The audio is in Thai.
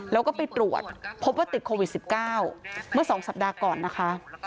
แล้วก็ไปตรวจพบว่าติดโควิด๑๙เมื่อ๒สัปดาห์ก่อนนะคะ